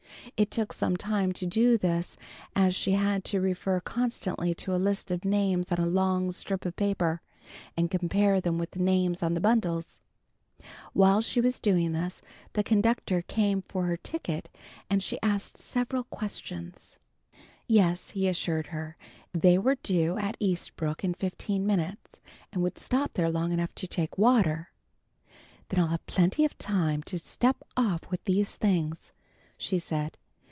It took some time to do this, as she had to refer constantly to a list of names on a long strip of paper, and compare them with the names on the bundles. While she was doing this the conductor came for her ticket and she asked several questions. Yes, he assured her, they were due at Eastbrook in fifteen minutes and would stop there long enough to take water. "Then I'll have plenty of time to step off with these things," she said.